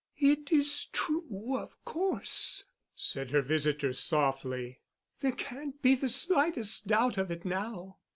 "It is true, of course," said her visitor, softly. "There can't be the slightest doubt of it now.